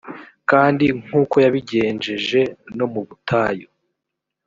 kandi nk’uko yabigenjeje no mu butayu.